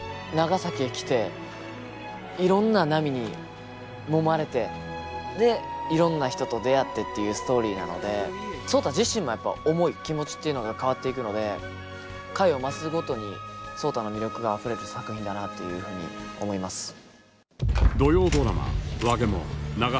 長崎へ来ていろんな波にもまれてでいろんな人と出会ってっていうストーリーなので壮多自身もやっぱ思い気持ちっていうのが変わっていくので回を増すごとに壮多の魅力があふれる作品だなというふうに思います。